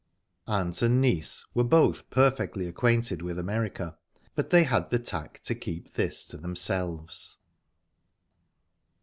Aunt and niece were both perfectly acquainted with America, but they had the tact to keep this to themselves.